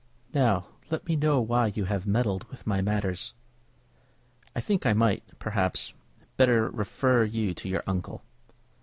Now, let me know why you have meddled with my matters." "I think I might, perhaps, better refer you to your uncle."